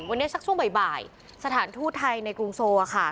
วันนี้สักช่วงบ่ายสถานทูตไทยในกรุงโซค่ะ